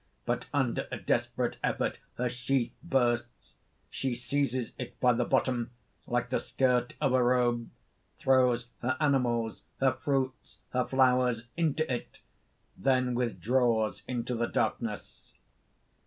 But under a desperate effort her sheath bursts. She seizes it by the bottom, like the skirt of a robe, throws her animals, her fruits, her flowers, into it, then withdraws into the darkness.